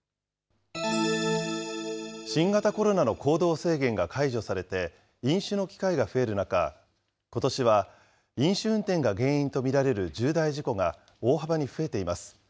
新型コロナの行動制限が解除されて飲酒の機会が増える中、ことしは飲酒運転が原因と見られる重大事故が大幅に増えています。